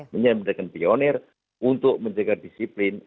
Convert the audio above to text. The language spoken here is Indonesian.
menyampaikan pionir untuk menjaga disiplin